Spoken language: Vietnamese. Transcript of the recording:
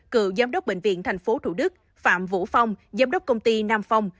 cựu giám đốc bệnh viện tp thủ đức phạm vũ phong giám đốc công ty nam phong